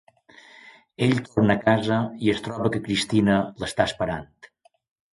Ell torna a casa i es troba que Kristyna l'està esperant.